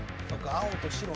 青と白ね。